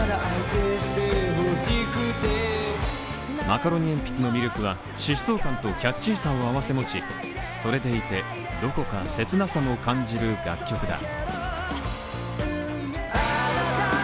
マカロニえんぴつの魅力は疾走感とキャッチーさを併せ持ちそれでいて、どこか切なさも感じる楽曲だ。